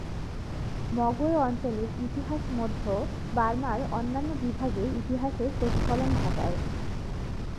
Mogwe অঞ্চলের ইতিহাস মধ্য বার্মার অন্যান্য বিভাগের ইতিহাসের প্রতিফলন ঘটায়।